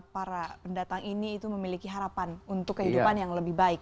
para pendatang ini itu memiliki harapan untuk kehidupan yang lebih baik